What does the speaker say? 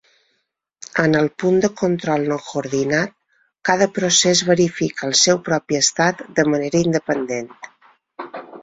En el punt de control no coordinat, cada procés verifica el seu propi estat de manera independent.